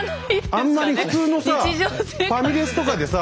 あんまり普通のさファミレスとかでさ